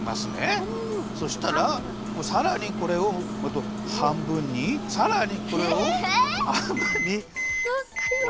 そしたらさらにこれをはんぶんにさらにこれをはんぶんにわります。